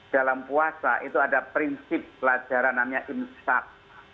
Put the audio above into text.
dalam puasa itu ada prinsip pelajaran namanya imsak